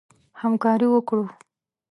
همکاري وکړو.